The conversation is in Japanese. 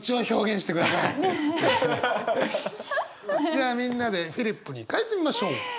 じゃあみんなでフリップに書いてみましょう。